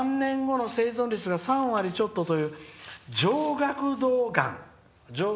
手術しても、３年後の生存率が３割ちょっとという上顎どうがん。